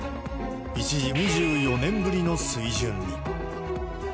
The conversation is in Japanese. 一時、２４年ぶりの水準に。